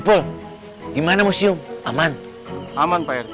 nanti tentang moci yang abisin